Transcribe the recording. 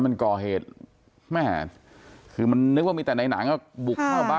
มันก่อเหตุแม่คือมันนึกว่ามีแต่ในหนังบุกเข้าบ้าน